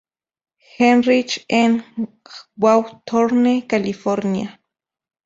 Heinrich en Hawthorne, California.